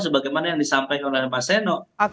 sebagai mana yang disampaikan oleh mas seno